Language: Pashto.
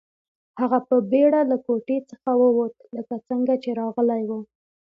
هغه په بیړه له کوټې څخه ووت لکه څنګه چې راغلی و